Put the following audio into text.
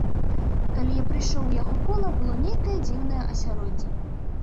Калі я прыйшоў у яго кола, было нейкае дзіўнае асяроддзе.